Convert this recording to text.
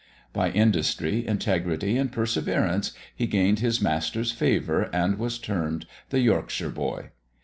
By industry, integrity, and perseverance, he gained his master's favour, and was termed 'the Yorkshire Boy.'